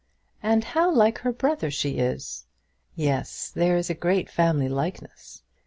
"And how like her brother she is!" "Yes; there is a great family likeness."